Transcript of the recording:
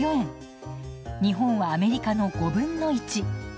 日本はアメリカの５分の１。